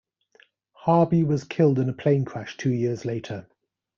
Harbi was killed in a plane crash two years later.